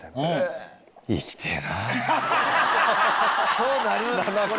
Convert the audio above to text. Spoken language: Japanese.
そうなります